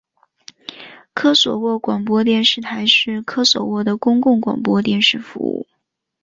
科索沃广播电视台是科索沃的公共广播电视服务。